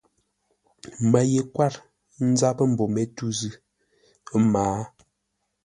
Mə́ ye kwâr ńzápə́ mbô mé tû zʉ́, ə́ mǎa.